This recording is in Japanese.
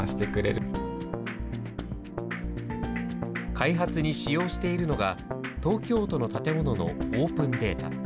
開発に使用しているのが、東京都の建物のオープンデータ。